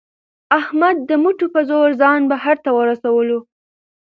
احمد د مټو په زور ځان بهر ته ورسولو.